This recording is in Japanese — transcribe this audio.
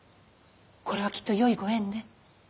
これはきっとよいご縁ね。